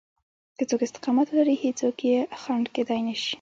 که څوک استقامت ولري هېڅوک يې خنډ کېدای نشي.